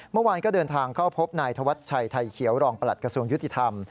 เมื่อวานก็เดินทางเข้าพบนายธวัชชัยไทยเขียวรองประหลัดกระทรวงยุติธรรม